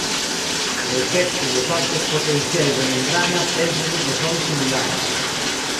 O efecto dos altos potenciais de membrana pénsase que son similares.